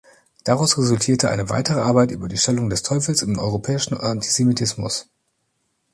Daraus resultierte eine weitere Arbeit über die Stellung des Teufels im europäischen Antisemitismus.